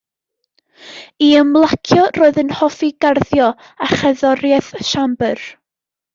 I ymlacio roedd yn hoffi garddio a cherddoriaeth siambr.